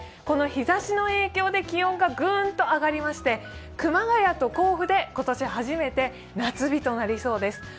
この日ざしの影響で気温がグンと上がりまして、熊谷と甲府で今年初めて夏日となりそうです。